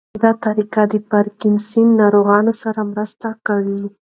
دا طریقه د پارکینسن ناروغانو سره مرسته کوي.